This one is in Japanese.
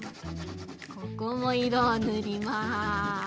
ここもいろをぬります。